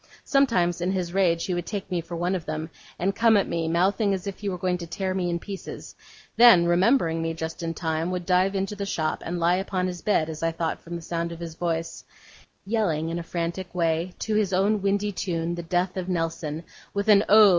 Sometimes in his rage he would take me for one of them, and come at me, mouthing as if he were going to tear me in pieces; then, remembering me, just in time, would dive into the shop, and lie upon his bed, as I thought from the sound of his voice, yelling in a frantic way, to his own windy tune, the 'Death of Nelson'; with an Oh!